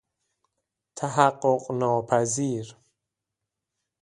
تحقق ناپذیر